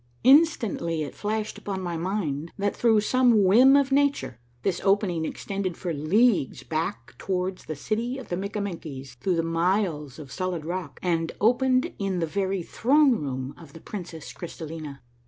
Instantly it flashed upon my mind that through some whim of nature this opening extended for leagues back towards the city of the Mikkamenkies through the miles of solid rock, and opened in the very Throne Room of the Princess Crystal! ina.